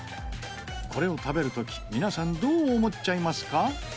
これを食べる時皆さんどう思っちゃいますか？